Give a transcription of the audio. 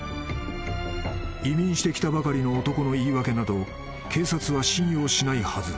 ［移民してきたばかりの男の言い訳など警察は信用しないはず］